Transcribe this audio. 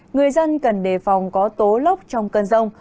người dân cần đề phòng có tố lốc trong cơn rông